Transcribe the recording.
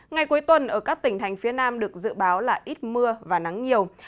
ngày cuối tuần ở các tỉnh thành phía nam được dự báo là ít mưa và nắng nhiều